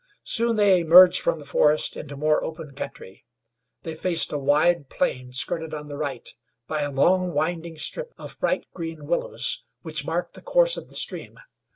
Soon they emerged from the forest into more open country. They faced a wide plain skirted on the right by a long, winding strip of bright green willows which marked the course of the stream.